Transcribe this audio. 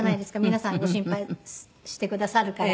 皆さんご心配してくださるから。